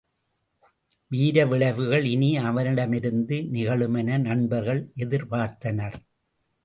வீர விளைவுகள் இனி அவனிடமிருந்து நிகழுமென நண்பர்கள் எதிர்பார்த்தனர்.